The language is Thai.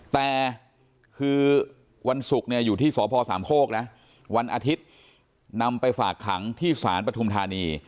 แต่คือวันศุกร์เนี่ยอยู่ที่สพสามโคกนะวันอาทิตย์นำไปฝากขังที่ศาลปฐุมธานี